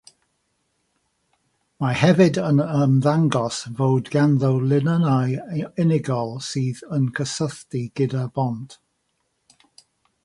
Mae hefyd yn ymddangos fod ganddo linynnau unigol sydd yn cysylltu gyda'r bont.